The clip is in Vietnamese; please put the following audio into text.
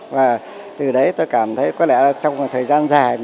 và từ đấy tôi cảm thấy có lẽ trong thời gian dài